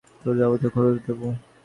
তোমার যাবতীয় খরচ দেবো।